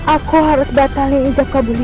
aku harus batalin ijazah kabut ini